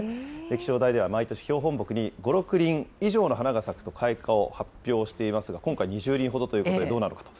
気象台では毎年、標本木に５、６輪以上の花が咲くと開花を発表していますが、今回、２０輪ほどということで、どうなのかと。